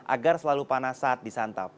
agar selalu panas saat disantap